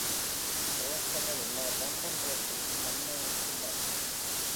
குரோய்டனிலுள்ள London ரோட்டில் இந்த முனையம் இருந்தது.